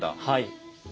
はい。